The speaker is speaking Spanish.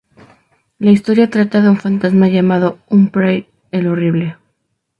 La historia trata de un fantasma llamado Humphrey el Horrible.